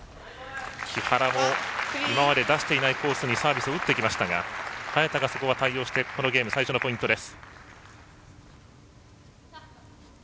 木原も今まで出していないコースにサービスを打ってきましたが早田がそこは対応してこのゲーム最初のポイントです。